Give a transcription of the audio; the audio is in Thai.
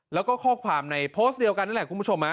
แล้วก็ข้อความในโพสต์เดียวกันนี่แหละคุณผู้ชม